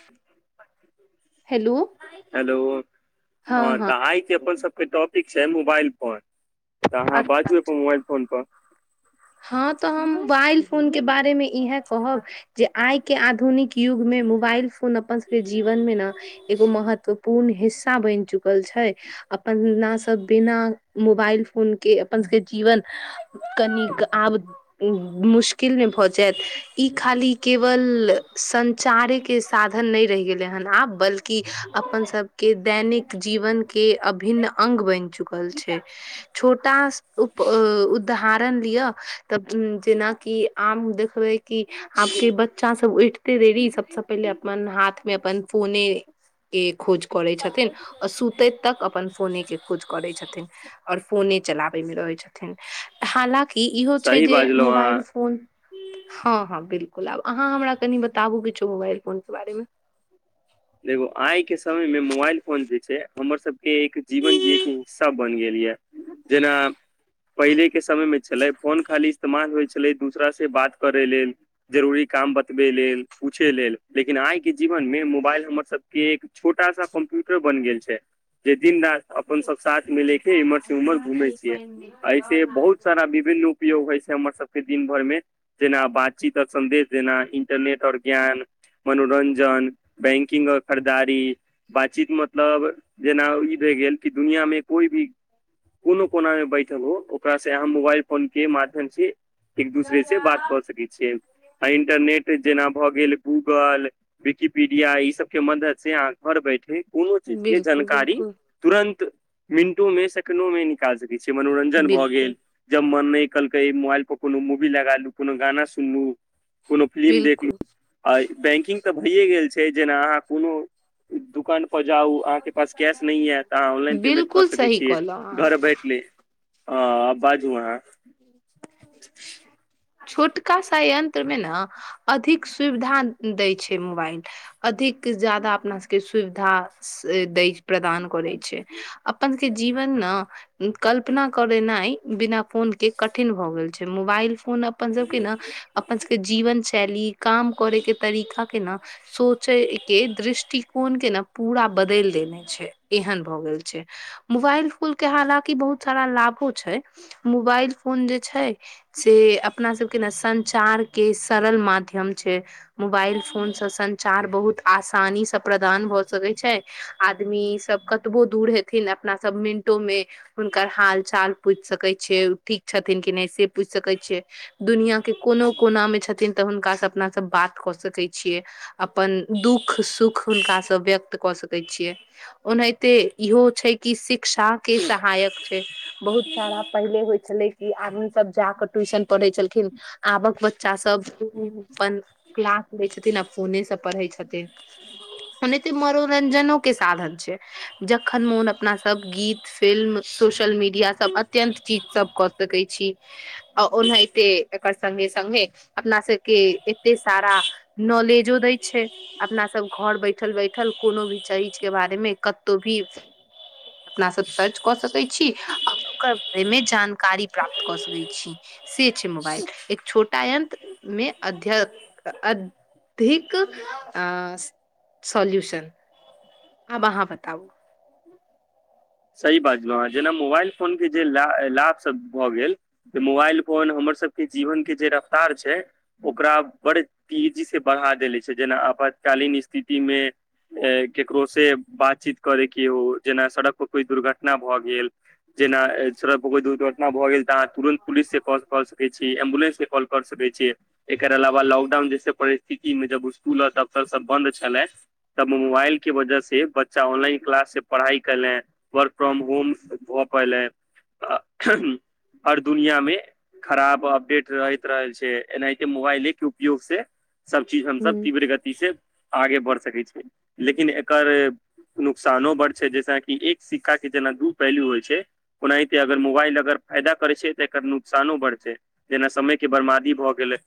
[unintelligible] Hello hello हँ तऽ आय के अपन सबके टापिक पिक छै मोबाइल फोन तऽ अहाँ बाजू अच्छा अपन मोबाइल फोन पर हँ तऽ हम मोबाइल फोन के बारेमे इएहे कहब जे आइ के आधुनिक युग मे मोबाइल फोन अपन सबके जीवन मे ने एगो महत्व पूर्ण हिस्सा बनि चुकल छै अपना सब बिना मो बाइल फोन के अपन सबके जीवन कनीक आब मूस किल मे भऽ जायत ई खाली केवल संचारे के साथ नहि रहि गेलै हेन आब बल्कि अपन सबके दैनिक जीवन के अभिन्न अंग बनि चुकल छै छोटा उप उदाहरण लिअ तब जेनाकि आम देखबै कि आबके बच्चा सब उठते देरी सबसँ पहिले अपन हाथ मे अपन फोने ए खोज करै छथिन आ सुतैत तक अपन फोने के खोज करैत छथिन आओर फोने चलाबे मे रहैत छथिन हालाँकि ई इहो छै सही जे बाजलहुँ अहाँ मोबाइल फोन हँ हँ बिलकुल अहाँ हमरा कनि बताबू किछो मोबाइल फोन के बारे मे देखो आइ के समय मे मोबाइल फोन जे छै हमर सबके एक जीवन जियएके हिस्सा बन गेल ये जेना पहिले के समय मे छलै फोन खाली इस्तेमाल होइ छलै दूसरा से बात करै लेल जरूरी काम बतबे लेल पूछे लेल लेकिन आइ के जीवन मे मोबाइल हमर सबके एक छोटा सा कम्प्यूटर बन गेल छै जे दिन राति अपन सब साथ मे लेके इम्हर से उम्हर घूमै छियै ऐसे बहुत सारा विभिन्न उपयोग होइ छै हमर सबके दिन भर मे जेना बातचीत आ सन्देश जेना इंटरनेट आओर ज्ञान मनोरंजन बैंक किन्ग और खरीदारी बातचीत मतलब जेना ई भए गेल कि दुनियामे कोइ भी कोनो कोना मे बैठल हो ओकरा से अहाँ मोबाइल फोन के माध्यम से एक दूसरे से बात कऽ सकैत छियै आ इंटरनेट जेना भऽ गेल गूगल विकिपीडिया ई सब के मदद से अहा घर बैठे कोनो चीज के बिल्कुल जानकारी बिल्कुल तुरन्त मिनटो मे सेकेंडो मे निकाल सकैत छीिय मनोरंजन भऽ बिल्कुल गेल जब मन नहि कहलकै मोबाइल पर कोनो मूवी लगालु कोनो गाना सुनलु कोनो फिल्म देखलू बिल्कुल आ बैंकिंग तऽ भइए गेल छै जेना अहाँ कोनो दोकान जाउ अहाँके पास कैश नहि य तऽ अहाँ ऑनलाइन पेमेंट कऽ बिल्कुल सकै सही छियै कहलहुँ अहाँ घर बैठ ले हँ बाजू अहाँ छोटका सा यंत्रमे ने अधिक सुविधा दै छै मोबाइल अधिक ज्यादा अपना सभके सुविधा से दय प्रदान करै छै अपन सब के जीवन न कल्पना करेनाइ बिना फोन के कठिन भऽ गेल छै मोबाइल फोन अपन सबके ने अपन सबके जीवन शैली काम करे के तरीका के ने सोचे के दृष्टिकोण के ने पूरा बदल देने छै एहन भए गेल छै मोबाइल फोन के हालकि बहुत सारा लाभो छै मोबाइल फोन जे छै से अपना सबके ने संचार के सरल माध्यम छै मोबाइल फोन सॅं संचार बहुत आसानी से प्रदान भऽ सकै छै आदमी सब कतबो दूर हेथिन अपना सब मे में हुनकर हाल चाल पूछि सकैत छै ठीक छथिन कि नहि से पूछि सकैत छियै दुनिया के कोनो कोना में छथिन तऽ हुनका से अपना सब बात कऽ सकैत छियै अपन दुःख सुख हुनकासँ व्यक्त कऽ सकै छियै ओनाहिते इहो छै कि शिक्षा के सहायक छै बहुत सारा पहिले होइ छलै आदमी सब जााकऽ ट्यूशन पढ़ै छलखिन आबक बच्चा सब अपनऽ क्लास लै छथिन आ फोने से पढ़ै छथिन ओनहितो मनोरंजनो के साधन छै जखन मोन अपना सब गीत फिल्म सोशल मीडिया सब अत्यंत चीज सब क सकै छी आ ओनाहिते एकर संङ्गे सङ्गे अपना सबके एते सारा नॉलेजो दै छै अपना सब घर बैठल बैठल कोनो भी चीज के बारेमे कतहु भी अपना सब सर्च कऽ सकै छी आ ओकर बारे मे जानकारी प्राप्त कऽ सकै छी से छै मोबाइल एक छोटा यन्त्र मे अध्यक् अऽ घिक सोल्यूशन अब अहाँ बताउ सही बाजलहुँ हं जेना मोबाइल फोन के जे लाभसभ भऽ गेल तऽ मोबाइल फोन हमर सबके जीवन के जे रफ्तार छै ओकरा बड़ तेजी से बढ़ा देेले छै जेना आपातकालीन स्थिति मे केकरो से बातचीत करेके हो जेना सड़क कोइ दुर्घटना भए गेल जेना सड़क दुर्घटना ना भऽ गेल तऽहाँ तुरंत पुलिस से कल क सकैत छीै एम्बुलेंस से कॉल क सके छियै एकर अलावा लॉकडाउन जैसे परिस्थिति मे जब स्कूल आ दफ्तर सब बंन्द छलै तब मोबाइल के वजह से बच्चा ऑनलाइन क्लास से पढ़ाई कर ले वर्क फ्रॉम होम भऽ पले हर दुनिया मे खराब अपडेट रहैत रहे छै एनाहिते मोबाइले के उपयोग से सब चीज हमस ह तीव्र गति से आगे बढ़ि सकैत छै लेकिन एकर नुकसानो बड छै जहिस कि एक सिक्का के जेना दु पहिलू होइ छै ओनाहिते अगर मोबाइल अगर फायदा कर छै तऽ एकर नुकसान बढ़ छै जेना समय के बर्बादी भऽ गेल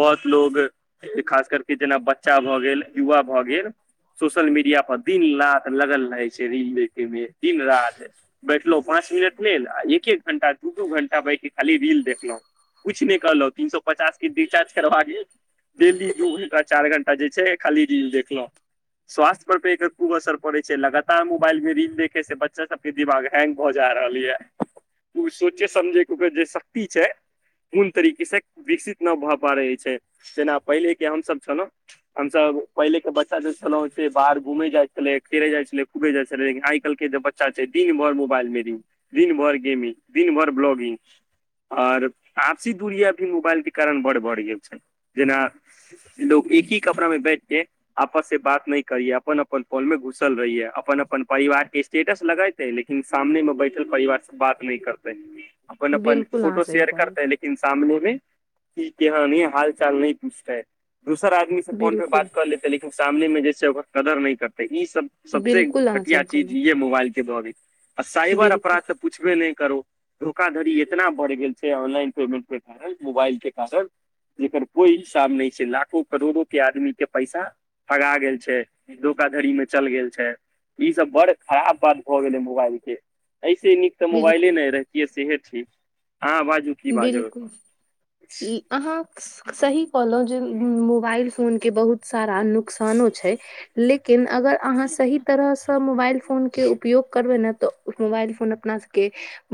बहुत लोग खास करके जेना बच्चा भए गेल युवा भए गेल सोशल मीडिया पर दिन रात लगल रहैत छै रील देखेमे दिन रात बैठलो पाँच मिनट लेल आ एक एक घंटा दू दू घंटा बैठ खाली रील देखलहुं कुछ नहि कहलहु तीन सो पचास के रिचार्ज करवा दियौ डेली दू घंटा चार घंटा तऽ जे छै खाली रील देखलहुँ स्वास्थ्य पर एकरू असर परे छै लगातार मोबाइल मे रील देखऽ से बच्चा सबके दिमाग हैंग भऽ जा रहल यै ओ सोचे समझे के उकर जे शक्ति छै कोन तरीके से विकसित नहि भए पा रहे छै जेना पहिले के हमसभ छलहुँ हमसब पहिले के बच्चा जे छलौं से बाहर घूमे जाय छले खेले जाइ छले खूबे जाय छले लेकिन आजकलके जे बच्चा छै दिन भर मोबाइल मेरिंग दिन भर गेमिंग दिन भर ब्लॉगिंग आओर आपसी दूरिया भी मोबाइल के कारण बड़ बढ़ि गेल छै जेना लोग एक ही कपड़ा में बैठकेे आपस से बात नहि करियै अपन अपन फोन में घुसल रहहिय अपन अपन परिवार स्टेटस लगेते है लेकिन सामने में बैठल परिवार से बात नेऽ करते अपन अपन बिलकुल अहाँ फोटो सही शेयर करता कहलहु ल सामने मे की कह ह हाल चाल नहि पूछताेै दोसर आदमी से फोन परे बिलकुल बात कर लेते लेकिन सामने मे जे छै ओकर कदर नहि करते ई सब बिलकुल सबस अहाँ घटिया सही चीज कहलहु ये मोबाइल के भाविक आ साइबर बिलकुल अपराध त पुछबे नहि करो धोखाधड़ी इतना बढ़ि गेल छै ऑनलाइन पेमेंट के कारण मोबाइल के कारण जेकर कोई इलसाम नहि छै लाखो करोड़ो के आदमी के पैसा फगा गेल छै धोोकाधड़ी में चल गेल छै ई सब बड़ खराब बात भए गेले मोबाइल के ऐसे नीक तऽ मोबाइले बिलकुल ने रहे सेह ठ आ आवाज उ बिलकुल ई अहाँ सही कहलहुँ जे मोबाइल फोन के बहुत सारा नुकसानो छै लेकिन अगर अहाँ सही तरहसँ मोबाइल फोने उपयोग करबै ने तऽ मोबाइल फोन अपना सबके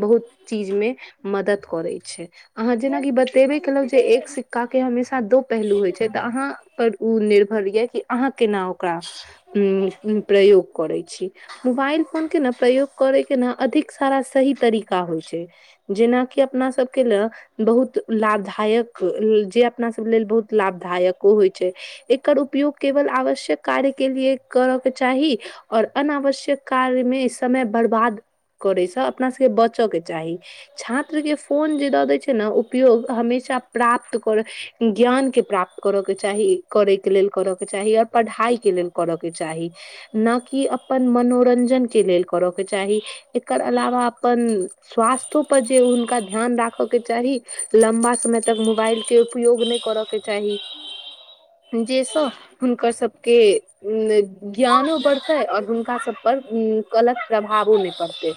बहुत चीज मे मदद करे छै अहाँ जेनाकि बतेबे केलहुँ जे एक सिक्का के हमेशा दो पहलू होइ छै तऽ अहाँ पर ओ निर्भर यए कि अहाँ केना ओकरा उ प्रयोग करै छी मोबाइल फोन के ने प्रयोग करे के ने अधिक सारा सही तरीका होइ छै जेनाकि अपना सबके लए बहुत सायक जे अपना सब लेल बहुत लाभदायक ओ होइत छै एकर उपयोग केवल आवश्यक कार्य के लिए करय के चाही और अनावश्यक कार्य मे समय बर्बाद करेसँ अपना सबके बचय के चाही छात्र के फोन जे दऽ दै छै ने उपयोग हमेशा प्राप्त करै ज्ञान के प्राप्त करयके चाही करैके लेल करय के चाही आओर पढ़ाइ के लेल करऽ के चाही न कि अपन मनोरंजनक के लेल करऽ के चाही एकर अलावा अपन स्वास्थो पर जे हुनका ध्यान राखय के चाही लम्बा समय तक मोबाइल के उपयोग नहि करय के चाही जेसँ हुनकर सभके उ ज्ञानो बढ़तै आओर हुनका सब पर उ कलक प्रभावो नहि पड़तै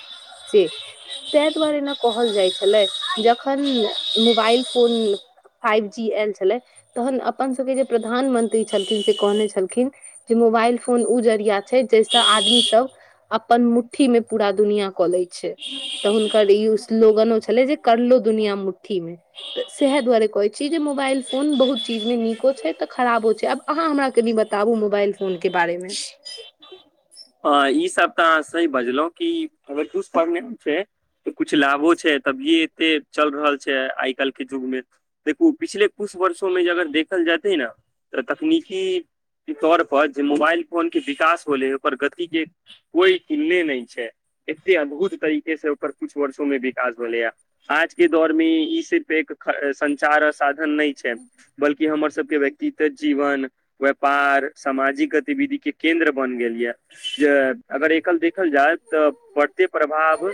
से ताहि दुआरे ने कहल जाइ छलै जखन मोबाइल फोन फाइव जी आयल छलै तहन अपन सबके जे प्रधानमंत्री छलखिन से कहने छलखिन जे मोबाइल फोन ओ जरिया छै जाहिसँ आदमीसभ अपन मुठ्ठी मे पूरा दुनिया कऽ लै छै तऽ हुनकर ई स्लोगनो छलै जे करलो दुनिया मुट्ठी मे तऽ सएह दुआरे कहैत छी जे मोबाइल फोन बहुत चीजमे नीको छै तऽ खराबो छै आब अहाँ हमरा कनि बताबू मोबाइल फोन के बारेमे हँ ई सब तऽ अह सही बजलहुं की अगरुस फॉर्मेन्स से तऽ कुछ लाभो छै तभिये एते चल रहल छै आइ काल्हि के युग मे देखू पिछले कुछ वर्षो मे जे अगर देखल जातै न तऽ तकनीकी तौर पर जे मोबाइल फोन के विकास होलै ओकर गति के कोई किन्ने नहि छै एते अद्भुत तरीके से ओकर कुछ वर्षो मे विकास भेलै ह आजके दौरमे ई सिर्फ एक चार आ साधन नहि छै बल्कि हमर सबके इते जीवन व्यापार सामाजिक गतिविधि के केन्द्र बन गेल ये जे अगर एकल देखल जाय तऽ पड़ते प्रभाव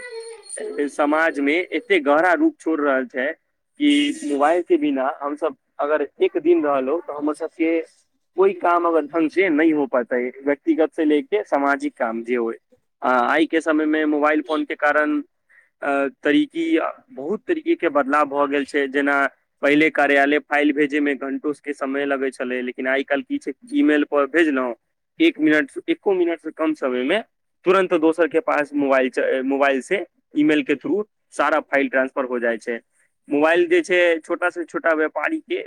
समाजमे एक एते गहरा रूप छोड़ रहल छै कि मोबाइल के बिना हमसब अगर एक दिन रहलो तऽ हमर सबके कोइ काम अगर ढंग से नहि हो पातता ह व व्यक्तिगत से लेके सामाजिक काम जे हए आइ के समय मे मोबाइल फोन के कारण अ तरीकी बहुत तरीकेके बदलाव भए गेल छै जेना पहिले कार्यालय फाइल भेजे मे घंटो के समय लगैत छलै लेकिन आइ काल्हि की छै ईमेल पर भेजलहुँ एक मिनट एको मिनट सँ कम समय मे तुरन्त दोसर के पास मोबाइल च मोबाइल से ईमेल के थ्रू सारा फाइल ट्रांसफर हो जाइ छै मोबाइल जे छै छोटा से छोटा व्यापारी केँ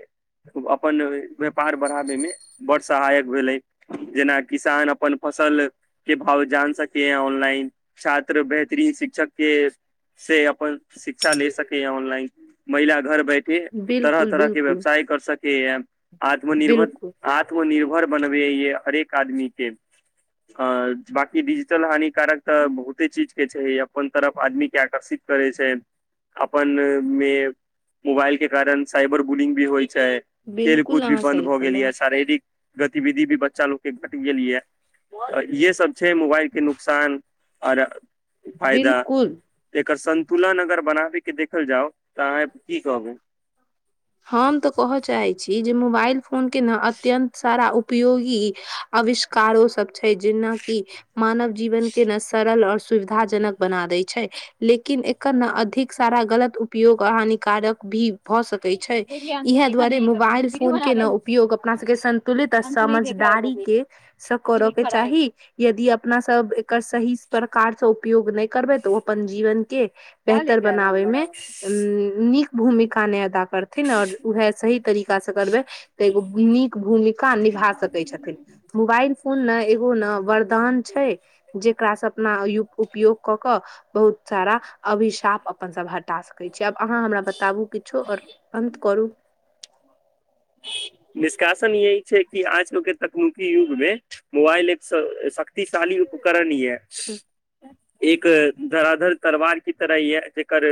अपन व्यापार बढ़ाबय मे बड सहायक भेलै जेना किसान अपन अपन फसल के भाव जान सकय ऑनलाइन छात्र बेहतरीन शिक्षक के से अपन शिक्षा ले सके है ऑनलाइन महिला घर बैठे तरह बिल्कुल तरह के बिल्कुल व्यवसायिक कर सकै य आत्मनिर्भर बिल्कुल आत्मनिर्भर बनबे य हरेक आदमी केँ अ-अ बकी डिजिटल हानिकारक तऽ बहुते चीज के छै अपन तरफ आदमी केँ आकर्षित करै छै अपन मे मोबाइल के कारण साइबर गुलिंग भी होइ छै खेल बिल्कुल कूद भी अहाँ बन्द सही भऽ गेल कहलौं ये शारीरिक गतिविधि भी बच्चा लोग के घट गेल ये अ इएहे सभ छै। मोबाइल के नुकसान आर फायदा बिल्कुल एकर सन्तुलन अगर बनाबे के देखल जाउ तऽ अहाँ की कहब हम तऽ कहय चाहैत छी जे मोबाइल फोन केँ न अत्यन्त सारा उ उपयोगी आविष्कारो सभी छै जेना कि मानव जीवन के न सरल आओर सुविधा जनक बना दै छै। लेकिन एकर न अधिक सारा गलत उपयोग आ हानिकारक भी भए सक। छै इएह दुआरे मोबाइल फोन के न उपयोग अपना सभ के सन्तुलित आ समझदारी के सँ करऽ के चाही यदि अपना सभ एकर सही प्रकार सँ उपयोग नहि करबै तऽ ओ अपन जीवन के बेहतर बनाबे मे नीक भूमिका नय करथिन आओर उएह सही तरीका सँ करबै तऽ एगो नीक भूमिका निभा सकय छथिन। मोबाइल फोन न एगो न वरदान छै। जेकरा स अपना यू उपयोग कऽ कय बहुत सारा अभिशाप अपन सभ हटा सक कहै छी। आब अहाँ हमरा बताबू किछो आओर अन्त करू निष्कासन यहि छै। कि आजकल के तकनीकी युग मे मोबाइल एक स शक्तिशाली उपकरणी यै। एक धराधर तरवार कि तरह यै जेकर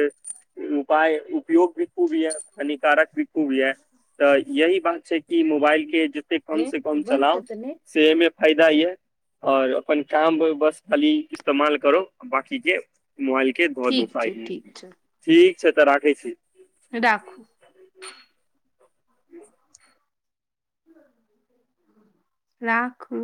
उपाय उपयोग भी खूब ये हानिकारक भी खूब ये तऽ यही बात छै। कि मोबाइल के जते कम से कम बन्द चलाउ करतै ने सेमे फायदा यै। आओर अपन काम बस खाली इस्तेमाल करो बाकी जे मोबाइल के धऽ दो ठीक छै साइड मे ठीक छै ठीक छै। तऽ राखय छी। राखू [unintelligible] [unintelligible] राखू